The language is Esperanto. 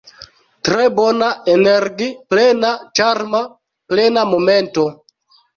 Tre bona energi-plena ĉarma plena momento